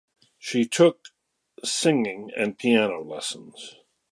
She took singing and piano lessons.